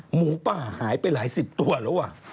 หมูป่าหายไปหลายสิบตัวแล้ว